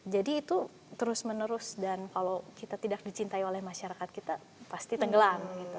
jadi itu terus menerus dan kalau kita tidak dicintai oleh masyarakat kita pasti tenggelam